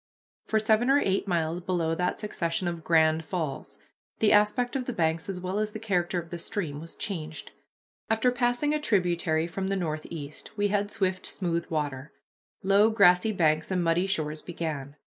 For seven or eight miles below that succession of "Grand" falls the aspect of the banks as well as the character of the stream was changed. After passing a tributary from the northeast we had swift smooth water. Low grassy banks and muddy shores began.